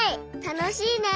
たのしいね！